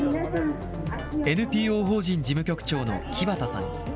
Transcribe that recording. ＮＰＯ法人事務局長の木幡さん。